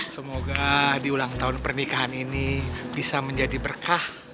semoga di ulang tahun pernikahan ini bisa menjadi berkah